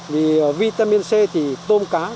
vì vitamin c thì tôm cá khỏe